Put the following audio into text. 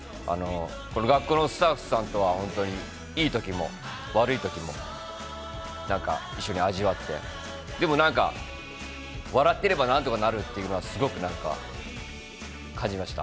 この「学校」のスタッフさんとは本当にいいときも悪いときも一緒に味わってでも何か、笑ってれば何とかなるっていうのはすごく感じました。